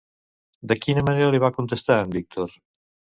De quina manera li contesta en Víctor?